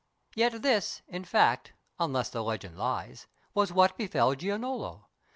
Yet this, in fact, unless the legend lies, Was what befell Giannolo.